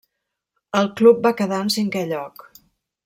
El club va quedar en cinquè lloc.